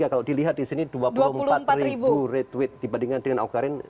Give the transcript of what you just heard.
kalau dilihat di sini dua puluh empat retweet dibandingkan dengan awkarin tiga belas